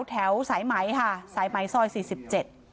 แถวสายไหมค่ะสายไหมสร้อย๔๗